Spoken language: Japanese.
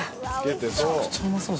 むちゃくちゃうまそう。